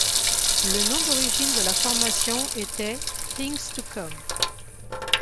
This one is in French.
Le nom d'origine de la formation était Things to Come.